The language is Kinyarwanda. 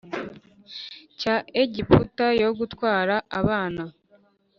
Cya egiputa yo gutwara abana